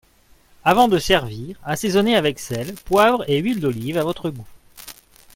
Avant de servir, assaisonner avec sel, poivre et huile d’olive à votre goût.